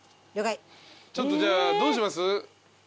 ちょっとじゃあどうします？